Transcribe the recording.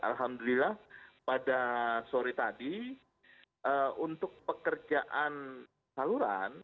alhamdulillah pada sore tadi untuk pekerjaan saluran